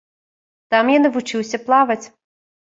Там я навучыўся плаваць.